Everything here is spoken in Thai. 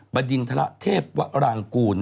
บดินทะละเทพวะรางกูล